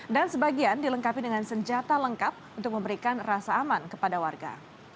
dan sebagian dilengkapi dengan senjata lengkap untuk memberikan rasa aman kepada warga